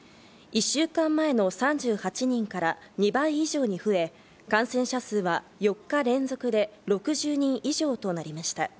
１週間前の３８人から２倍以上に増え、感染者数は４日連続で６０人以上となりました。